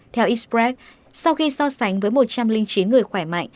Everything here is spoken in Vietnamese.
theo express sau khi so sánh với một trăm linh chín người khỏe mạnh